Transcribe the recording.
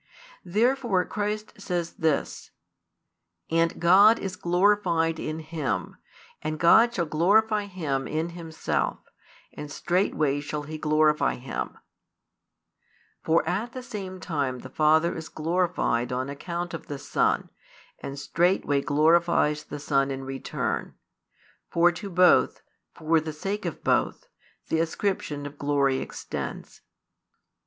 Therefore Christ says this: And God is glorified in Him; and God shall glorify Him in Himself, and straightway shall He glorify Him: for at the same time the Father is glorified on account of the Son, and straightway glorifies the Son in return. For to Both, for the sake of Both, the ascription of glory extends.